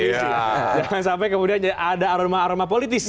jangan sampai kemudian ada aroma aroma politis